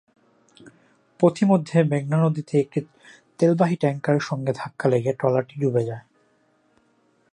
পথিমধ্যে মেঘনা নদীতে একটি তেলবাহী ট্যাংকারের সঙ্গে ধাক্কা লেগে ট্রলারটি ডুবে যায়।